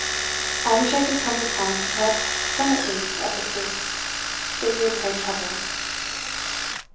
I wish I could come in time to correct some at least of the proofs; it would save trouble."